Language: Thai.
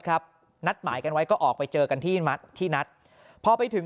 นัดหมายกันไว้ก็ออกไปเจอกันที่นัดพอไปถึง